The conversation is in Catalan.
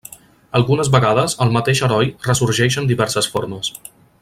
Algunes vegades el mateix heroi ressorgeix en diverses formes.